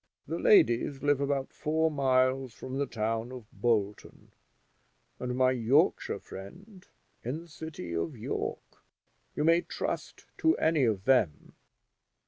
The ladies live about four miles from the town of Bolton, and my Yorkshire friend in the city of York. You may trust to any of them.